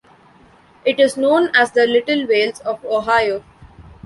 It is known as The Little Wales of Ohio.